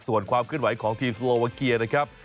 ส่วนความขึ้นไหวของทีมโซโลวาเกียร์นะครับ